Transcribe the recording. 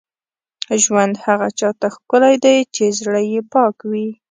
ژوند هغه چا ته ښکلی دی، چې زړه یې پاک وي.